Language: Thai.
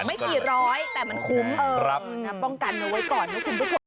ไม่๔๐๐บาทแต่มันคุ้มนำป้องกันไว้ก่อนนะคุณผู้ชม